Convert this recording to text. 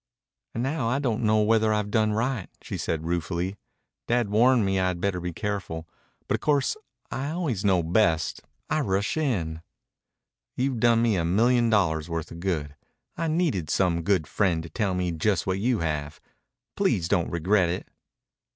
"And now I don't know whether I've done right," she said ruefully. "Dad warned me I'd better be careful. But of course I always know best. I 'rush in.'" "You've done me a million dollars' worth of good. I needed some good friend to tell me just what you have. Please don't regret it."